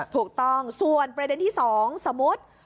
ถูกต้องส่วนประเด็นที่๒สมมุติ